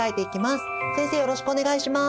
よろしくお願いします。